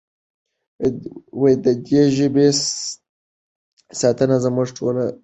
د دې ژبې ساتنه زموږ ټولو دنده ده.